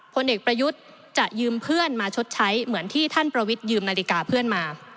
พลเอกประยุทธ์จะยืมเพื่อนมาชดใช้เหมือนที่ท่านประวิทยืมนาฬิกาเพื่อนมา